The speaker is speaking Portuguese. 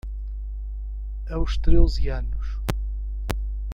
Aos treze anos